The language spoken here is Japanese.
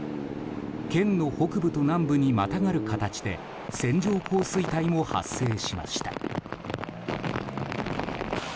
県の北部と南部にまたがる形で線状降水帯も発生しました。